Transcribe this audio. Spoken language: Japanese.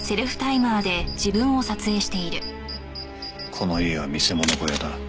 この家は見せ物小屋だ。